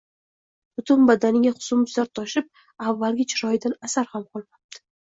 Butun badaniga husnbuzar toshib, avvalgi chiroyidan asar ham qolmabdi.